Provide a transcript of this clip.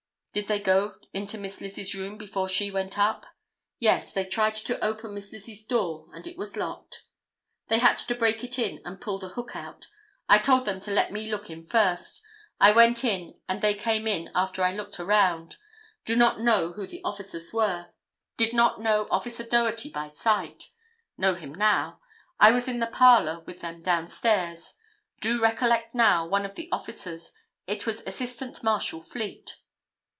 "Did they go into Miss Lizzie's room before she went up?" "Yes; they tried to open Miss Lizzie's door and it was locked. They had to break it in and pull the hook out. I told them to let me look in first. I went in and they came in after I looked around. Do not know who the officers were. Did not know Officer Doherty by sight. Know him now. I was in the parlor with them down stairs. Do recollect now one of the officers. It was Assistant Marshal Fleet."